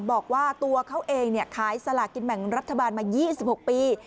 บอกว่าตัวเขาเองเนี้ยขายสละกินแบ่งรัฐบาลมายี่สิบหกปี